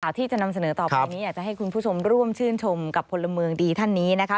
ที่จะนำเสนอต่อไปนี้อยากจะให้คุณผู้ชมร่วมชื่นชมกับพลเมืองดีท่านนี้นะคะ